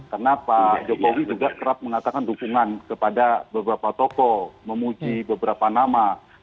karena pak jokowi juga kerap mengatakan dukungan kepada beberapa toko memuji beberapa nama